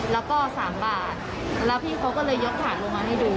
แล้วก็๓บาทแล้วพี่เขาก็เลยยกถาดลงมาให้ดู